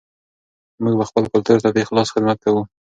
موږ به خپل کلتور ته په اخلاص خدمت کوو.